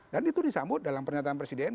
dan itu disambut dalam pernyataan presiden